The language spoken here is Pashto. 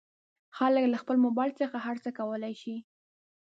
خلک له خپل مبایل څخه هر څه کولی شي.